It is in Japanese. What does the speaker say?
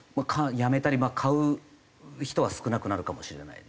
やめたり買う人は少なくなるかもしれないですね。